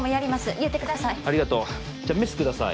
言ってください